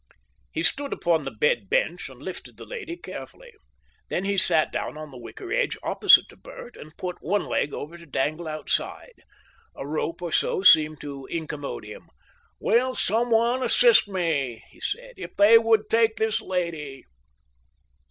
He stood upon the bed bench and lifted the lady carefully. Then he sat down on the wicker edge opposite to Bert, and put one leg over to dangle outside. A rope or so seemed to incommode him. "Will some one assist me?" he said. "If they would take this lady?"